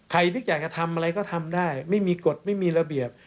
นึกอยากจะทำอะไรก็ทำได้ไม่มีกฎไม่มีระเบียบ